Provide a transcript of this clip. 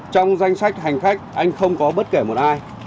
trong danh sách hành khách anh không có bất kể một ai